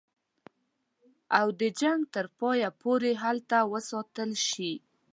او د جنګ تر پایه پوري هلته وساتل شي.